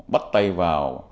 bắt tay vào